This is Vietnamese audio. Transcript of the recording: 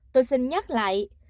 tôi xin nhắc lại